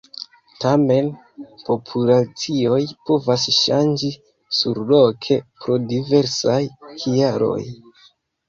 Tamen, populacioj povas ŝanĝi surloke pro diversaj kialoj.